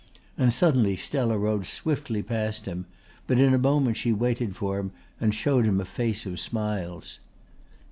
And suddenly Stella rode swiftly past him, but in a moment she waited for him and showed him a face of smiles.